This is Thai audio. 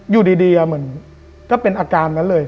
อยู่ดีเหมือนก็เป็นอาการนั้นเลย